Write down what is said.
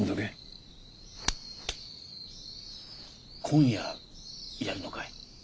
今夜やるのかい？